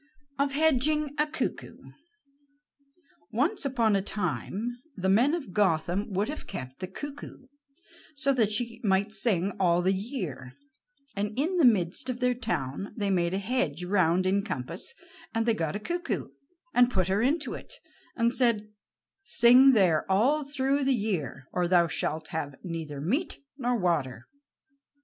OF HEDGING A CUCKOO Once upon a time the men of Gotham would have kept the cuckoo so that she might sing all the year, and in the midst of their town they made a hedge round in compass, and they got a cuckoo, and put her into it, and said: "Sing there all through the year, or thou shalt have neither meat nor water."